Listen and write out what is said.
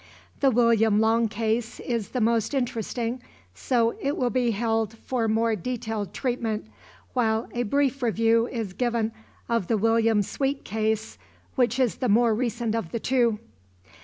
The William Long case is the most interesting so it will be held for more detailed treatment while a brief review is given of the William Sweet case which is the more recent of the two.